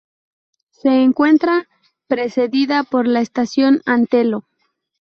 Se encuentra precedida por la estación Antelo.